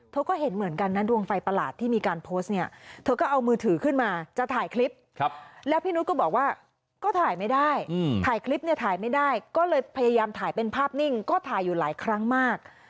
เธอก็เห็นเหมือนกันนะดวงไฟประหลาดที่มีการโพสต์เนี่ยเธอก็เอามือถือขึ้นมาจะถ่ายคลิปแล้วพี่นุษย์ก็บอกว่าก็ถ่ายไม่ได้ถ่ายคลิปเนี่ยถ่ายไม่ได้ก็เลยพยายามถ่ายเป็นภาพนิ่งก็ถ่ายอยู่หลายครั้งมาก